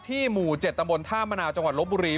หมู่๗ตำบลท่ามะนาวจังหวัดลบบุรี